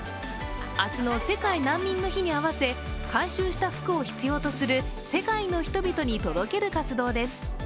明日の世界難民の日に合わせ、回収した服を必要とする世界の人々に届ける活動です。